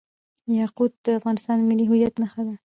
یاقوت د افغانستان د ملي هویت نښه ده.